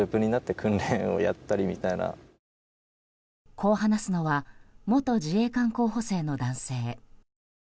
こう話すのは元自衛官候補生の男性。